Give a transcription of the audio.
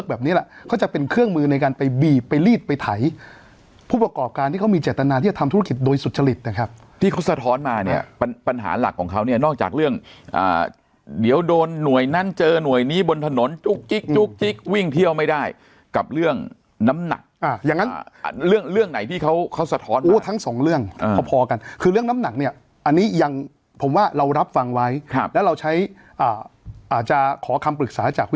แบบนี้แหละเขาจะเป็นเครื่องมือในการไปบีบไปลีดไปไถผู้ประกอบการที่เขามีเจตนาที่จะทำธุรกิจโดยสุจริตนะครับที่เขาสะท้อนมาเนี่ยปัญหาหลักของเขาเนี่ยนอกจากเรื่องอ่าเดี๋ยวโดนหน่วยนั้นเจอหน่วยนี้บนถนนจุ๊กจิ๊กจุ๊กจิ๊กวิ่งเที่ยวไม่ได้กับเรื่องน้ำหนักอ่าอย่างงั้นอ่าเร